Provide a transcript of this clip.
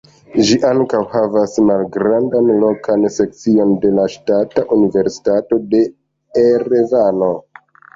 Ĝi ankaŭ havas malgrandan lokan sekcion de la Ŝtata Universitato de Erevano.